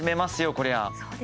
こりゃあ。